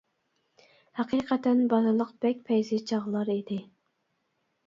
ھەقىقەتەن بالىلىق بەك پەيزى چاغلار ئىدى.